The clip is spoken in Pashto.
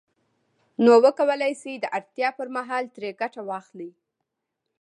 نو وکولای شي د اړتیا پر مهال ترې ګټه واخلي